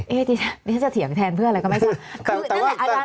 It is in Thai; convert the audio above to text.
นี่ฉันจะเถียงแทนเพื่ออะไรก็ไม่ใช่